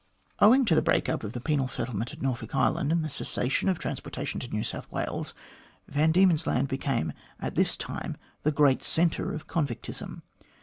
Owing to the breaking up of the penal settlement at Norfolk Island, and the cessation of transportation to New South Wales, Van Diemen's Land became at this time the great centre of convictism.